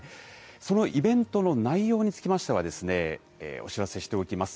そのイベントの内容につきましては、お知らせしておきます。